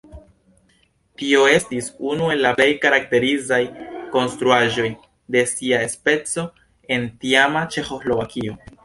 Tio estis unu el la plej karakterizaj konstruaĵoj de sia speco en tiama Ĉeĥoslovakio.